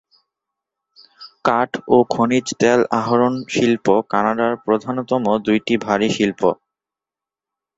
কাঠ ও খনিজ তেল আহরণ শিল্প কানাডার প্রধানতম দুইটি ভারী শিল্প।